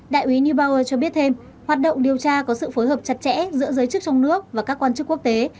đại úy new bower cho biết thêm hoạt động điều tra có sự phối hợp chặt chẽ giữa giới chức trong nước và các quan chức quốc tế